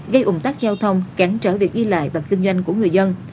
gây ủng tắc giao thông cảnh trở việc ghi lại và kinh doanh của người dân